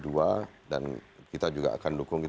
dan kita juga akan dukung